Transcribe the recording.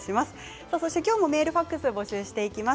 きょうもメール、ファックス募集します。